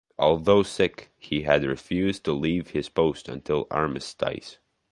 Although sick, he had refused to leave his post until the Armistice.